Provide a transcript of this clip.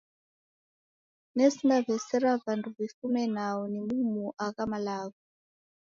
Nesindaw'esera w'andu w'ifume nao dimumuo agha malagho.